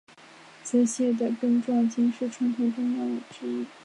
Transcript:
泽泻的根状茎是传统中药之一。